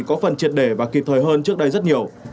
có phần triệt để và kịp thời hơn trước đây rất nhiều